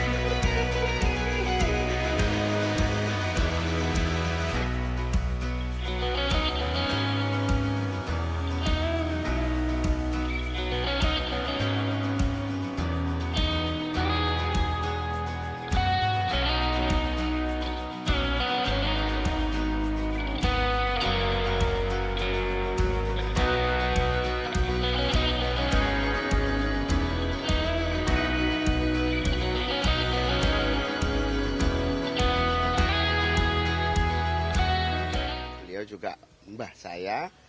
beliau juga mbah saya